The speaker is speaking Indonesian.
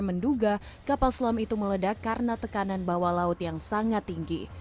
menduga kapal selam itu meledak karena tekanan bawah laut yang sangat tinggi